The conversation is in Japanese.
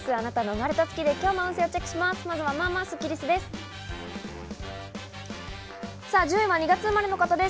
まずは、まあまあスッキりすです。